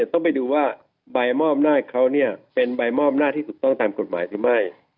ต้องไปดูว่าใบอำนาจเขาเป็นใบอำนาจที่ถูกต้องตามกฎหมายหรือไม่